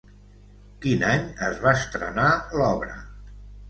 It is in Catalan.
Quin any es va estrenar l'obra?